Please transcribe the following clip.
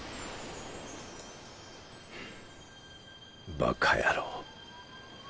バカ野郎。